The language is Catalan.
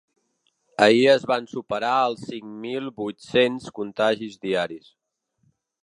Ahir es van superar els cinc mil vuit-cents contagis diaris.